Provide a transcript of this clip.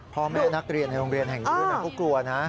พ่อแม่นักเรียนในโรงเรียนแห่งนี้เขากลัวนะ